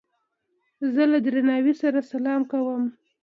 زه له درناوي سره سلام کوم.